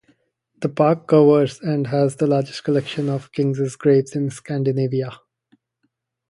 The park covers and has the largest collection of kings' graves in Scandinavia.